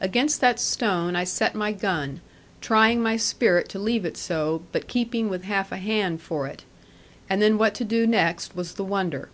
Against that stone I set my gun, trying my spirit to leave it so, but keeping with half a hand for it; and then what to do next was the wonder.